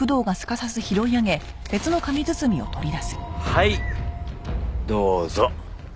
はいどうぞ。